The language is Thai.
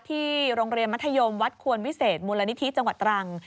ที่โรงเรียนมัธยมวัดควรวิเศษมูลนิธิจังหวัดตรัง